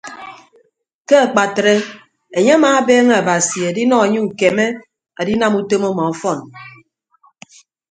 Ke akpatre enye amaabeeñe abasi edinọ anye ukeme adinam utom ọmọ ọfọn.